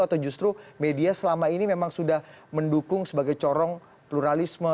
atau justru media selama ini memang sudah mendukung sebagai corong pluralisme